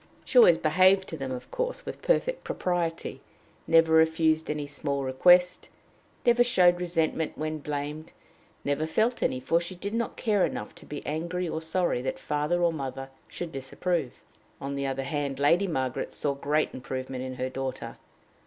She always behaved to them, of course, with perfect propriety; never refused any small request; never showed resentment when blamed never felt any, for she did not care enough to be angry or sorry that father or mother should disapprove. On the other hand, Lady Margaret saw great improvement in her daughter.